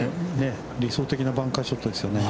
理想的なバンカーショットですよね。